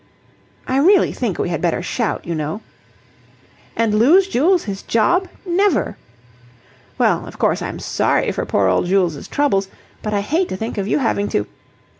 "I really think we had better shout, you know." "And lose Jules his job? Never!" "Well, of course, I'm sorry for poor old Jules' troubles, but I hate to think of you having to..."